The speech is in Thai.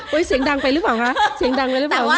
เฮ้ยเสียงดังไปหรือเปล่าคะ